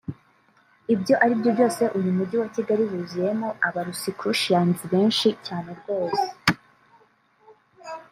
Ibyo ari byo byose uyu mugi wa Kigali wuzuyemo aba Rosicrucians benshi cyane rwose